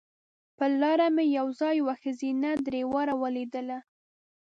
پر لاره مې یو ځای یوه ښځینه ډریوره ولیدله.